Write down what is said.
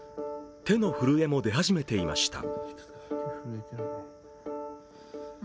手の震えも出始めていました。